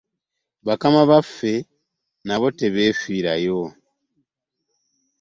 Bakama baffe nabo tebeefiirayo.